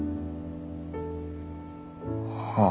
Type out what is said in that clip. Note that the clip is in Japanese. はあ。